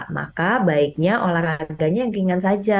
maka baiknya olahraganya yang ringan saja